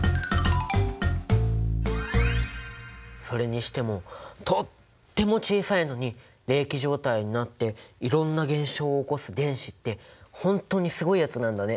それにしてもとっても小さいのに励起状態になっていろんな現象を起こす電子ってほんとにすごいやつなんだね。